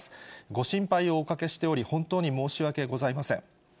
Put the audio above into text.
ご心配をおかけしており、本当に申し訳ございません。